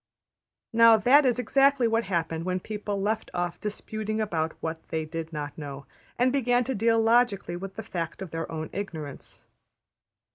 '' Now that is exactly what happened when people left off disputing about what they did not know, and began to deal logically with the fact of their own ignorance.